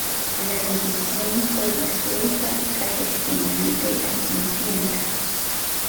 La división fue disuelta tras el final de la contienda.